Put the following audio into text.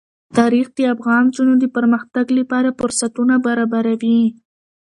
تاریخ د افغان نجونو د پرمختګ لپاره فرصتونه برابروي.